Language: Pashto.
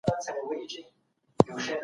حکومتونه د فردي حقونو په اړه څه وایي؟